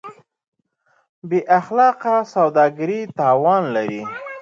بېاخلاقه سوداګري تاوان لري.